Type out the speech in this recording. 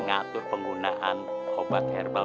ngatur penggunaan obat herbal